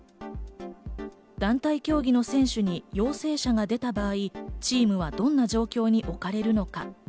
団体競技の選手に陽性者が出た場合、チームはどんな状況に置かれるのか。